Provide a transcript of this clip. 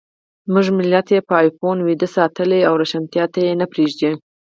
زموږ ملت یې په افیون ویده ساتلی او روښانتیا ته یې نه پرېږدي.